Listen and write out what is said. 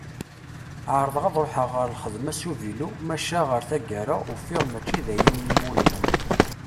Ɛerḍeɣ ad ruḥeɣ ɣer lxedma s uvilu maca ɣer tagara ufiɣ mačči d ayen i y-iwulmen.